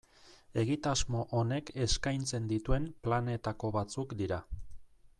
Egitasmo honek eskaintzen dituen planetako batzuk dira.